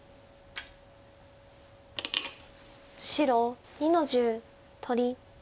白２の十取り。